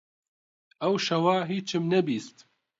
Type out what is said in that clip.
ئەو شەوە هیچم نەبیست.